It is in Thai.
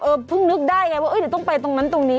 เพิ่งนึกได้ไงว่าเดี๋ยวต้องไปตรงนั้นตรงนี้